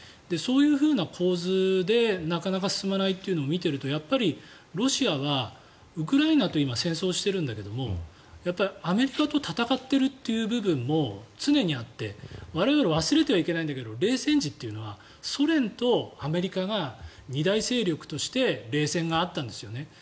そういう構図でなかなか進まないというのを見ているとやっぱりロシアはウクライナと戦争をしているんだけどアメリカと戦っているという部分も常にあって我々、忘れてはいけないんだけど冷戦時というのはソ連とアメリカが二大勢力として冷戦があったんですよね。